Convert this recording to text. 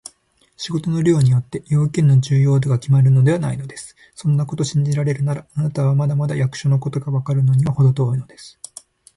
仕事の量によって、用件の重要度がきまるのではないのです。そんなことを信じられるなら、あなたはまだまだ役所のことがわかるのにはほど遠いのです。